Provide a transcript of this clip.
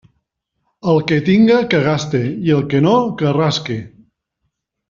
El que tinga, que gaste, i el que no, que rasque.